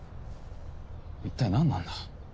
一体何なんだ？